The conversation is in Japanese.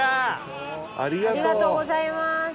ありがとうございます。